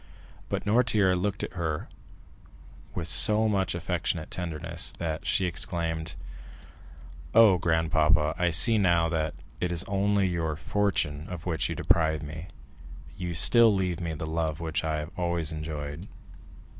But Noirtier looked at her with so much affectionate tenderness that she exclaimed: "Oh, grandpapa, I see now that it is only your fortune of which you deprive me; you still leave me the love which I have always enjoyed."